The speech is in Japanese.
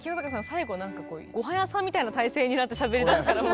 最後なんかこうご飯屋さんみたいな体勢になってしゃべりだすからもう。